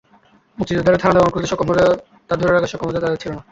মুক্তিযোদ্ধারা থানা দখল করতে সক্ষম হলেও তা ধরে রাখার ক্ষমতা তাদের ছিল না।